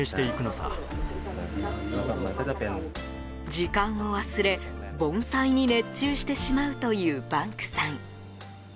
時間を忘れ盆栽に熱中してしまうというバンクさん。